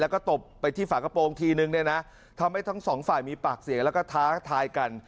แล้วก็ตบไปที่ฝากระโปรงทีนึงเนี่ยนะทำให้ทั้งสองฝ่ายมีปากเสียงแล้วก็ท้าทายกัน